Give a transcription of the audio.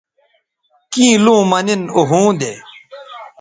کیں لوں مہ نن او ھوندے